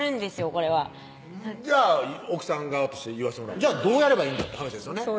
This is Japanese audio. これはじゃあ奥さん側として言わせてもらうじゃあどうやればいいんだって話ですよね